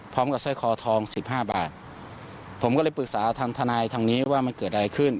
ผมก็เลยปรึกษาทางทนายทางนี้ว่ามันเกิดอะไรขึ้น